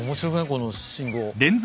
この信号。